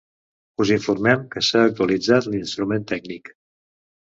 Us informem que s'ha actualitzat l'instrument tècnic.